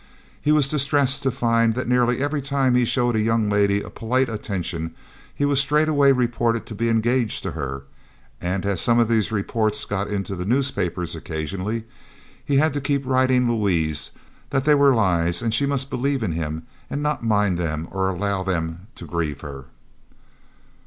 He was distressed to find that nearly every time he showed a young lady a polite attention he was straightway reported to be engaged to her; and as some of these reports got into the newspapers occasionally, he had to keep writing to Louise that they were lies and she must believe in him and not mind them or allow them to grieve her.